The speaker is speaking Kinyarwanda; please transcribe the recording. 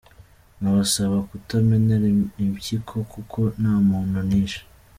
nkabasaba kutamenera impyiko kuko nta muntu nishe.